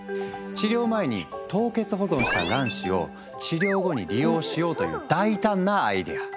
治療前に凍結保存した卵子を治療後に利用しようという大胆なアイデア。